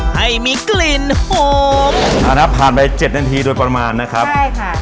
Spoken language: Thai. ให้มีกลิ่นหอมอ่านะครับผ่านไปเจ็ดนาทีโดยประมาณนะครับใช่ค่ะ